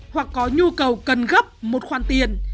hoặc có nhu cầu cần gấp một khoản tiền